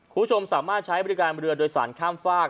คุณผู้ชมสามารถใช้บริการเรือโดยสารข้ามฝาก